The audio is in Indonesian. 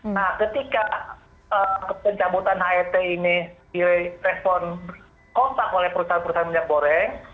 nah ketika pencabutan het ini direspon kontak oleh perusahaan perusahaan minyak goreng